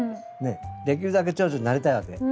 できるだけチョウチョになりたいわけ。